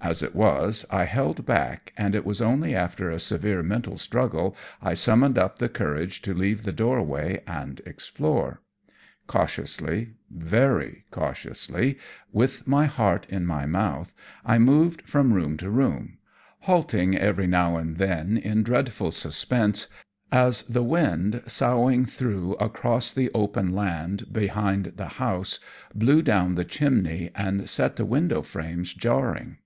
As it was, I held back, and it was only after a severe mental struggle I summoned up the courage to leave the doorway and explore. Cautiously, very cautiously, with my heart in my mouth, I moved from room to room, halting every now and then in dreadful suspense as the wind, soughing through across the open land behind the house, blew down the chimneys and set the window frames jarring.